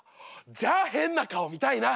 じゃあ変な顔見たいな。